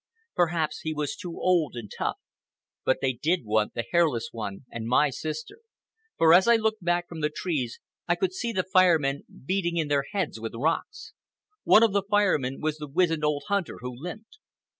Perhaps he was too old and tough. But they did want the Hairless One and my sister, for as I looked back from the trees I could see the Fire Men beating in their heads with rocks. One of the Fire Men was the wizened old hunter who limped.